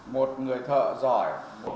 một người thợ giỏi